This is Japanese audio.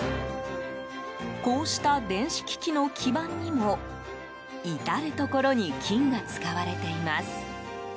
こうした電子機器の基板にも至るところに金が使われています。